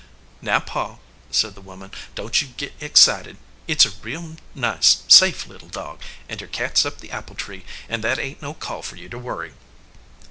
"Now, Pa," said the woman, "don t you git ex cited. It s a real nice, safe little dog; and your cat s up the apple tree, and thar ain t no call for you to worry."